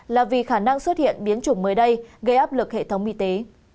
là vì khả năng xuất hiện biến chủng mới đây gây áp lực hệ thống y tế